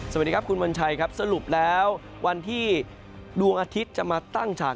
สวัสดีครับคุณวัญชัยครับสรุปแล้ววันที่ดวงอาทิตย์จะมาตั้งฉาก